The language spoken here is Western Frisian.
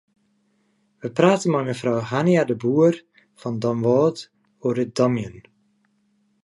We prate mei mefrou Hania-de Boer fan Damwâld oer it damjen.